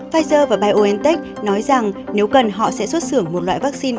pfizer và biontech nói rằng nếu cần họ sẽ xuất xưởng một loại vaccine